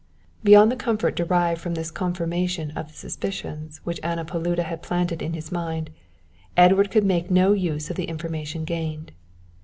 Beyond the comfort derived from this confirmation of the suspicions which Anna Paluda had planted in his mind, Edward could make no use of the information gained.